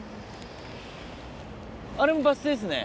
あれもバス停ですね。